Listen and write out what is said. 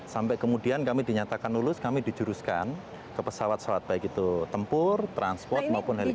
sampai kemudian kami dinyatakan lulus kami dijuruskan ke pesawat pesawat baik itu tempur transport maupun helikop